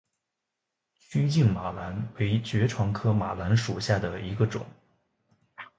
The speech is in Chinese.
曲茎马蓝为爵床科马蓝属下的一个种。